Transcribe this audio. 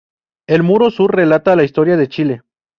El muro sur relata la historia de Chile.